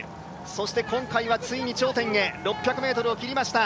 そして今回はついに頂点６００ｍを切りました